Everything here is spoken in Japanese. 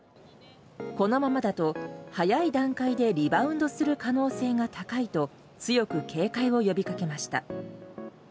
このままだと早い段階でリバウンドする可能性が高いと強く警戒を呼びかけました。